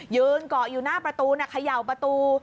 ยืนเกาะอยู่หน้าประตูเขย่าประตู